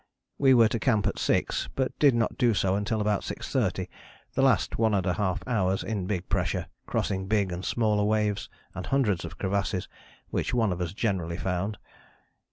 We were to camp at 6, but did not do so until about 6.30, the last 1½ hours in big pressure, crossing big and smaller waves, and hundreds of crevasses which one of us generally found.